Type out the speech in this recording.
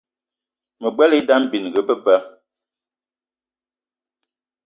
Me gbelé idam bininga be ba.